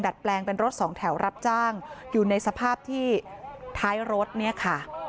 แปลงเป็นรถสองแถวรับจ้างอยู่ในสภาพที่ท้ายรถเนี่ยค่ะ